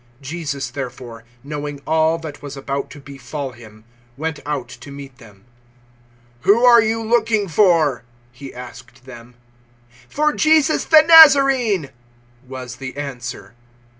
018:004 Jesus therefore, knowing all that was about to befall Him, went out to meet them. "Who are you looking for?" He asked them. 018:005 "For Jesus the Nazarene," was the answer.